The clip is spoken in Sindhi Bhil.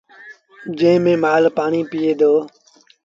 جݩهݩ ميݩ مآل پآڻيٚ پيٚئيٚ دو۔